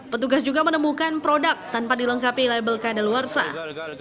petugas juga menemukan produk tanpa dilengkapi label keadaan luar saha